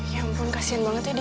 ya ampun kasihan banget ya dia